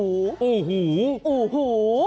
อูหู